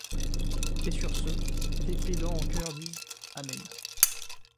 Et, sur ce, les pédants en chœur disent: Amen!